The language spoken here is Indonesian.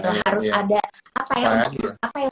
harus ada apa yang